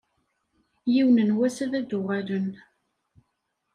Yiwen n wass ad d-uɣalen.